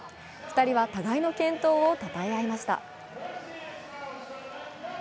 ２人は互いの健闘をたたえ合いました。